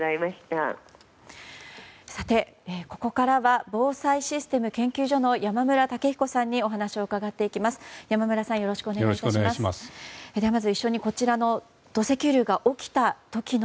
さて、ここからは防災システム研究所の山村武彦さんにお話を伺っていきます。